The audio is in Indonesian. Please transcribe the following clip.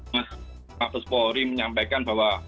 mas kapolri menyampaikan bahwa